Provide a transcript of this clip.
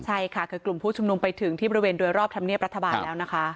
ใช่ค่ะคือกลุ่มผู้ชุมนุมไปถึงที่บริเวณโดยรอบธรรมเนียบรัฐบาลแล้วนะคะ